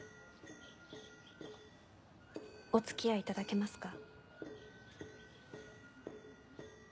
お付き合いいただけますか？